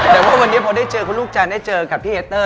แต่ว่าวันนี้พอได้เจอคุณลูกจันทร์ได้เจอกับพี่เอเตอร์